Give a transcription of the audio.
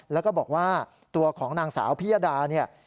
แล้วก็บอกว่าตัวของนางสาวพิยดาเนี่ย